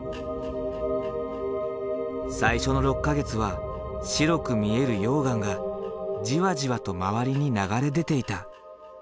最初の６か月は白く見える溶岩がじわじわと周りに流れ出ていた。